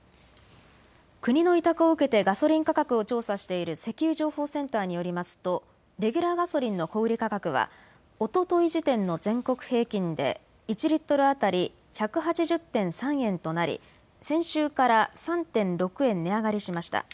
国の委託を受けてガソリン価格を調査している石油情報センターによりますとレギュラーガソリンの小売価格はおととい時点の全国平均で１リットル当たり１８０．３円となり先週から３．６円値上がりしました。